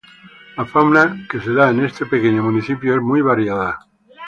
La fauna que se da en este pequeño municipio es muy variada.